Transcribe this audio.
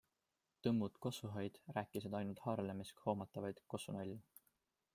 Tõmmud kossuhaid rääkisid ainult Haarlemis hoomatavaid kossunalju.